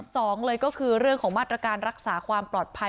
สองเลยก็คือเรื่องของมาตรการรักษาความปลอดภัย